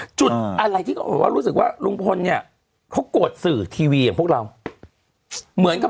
จุดอะไรที่เขาบอกว่ารู้สึกว่าลุงพลเนี่ยเขาโกรธสื่อทีวีอย่างพวกเราเหมือนกับ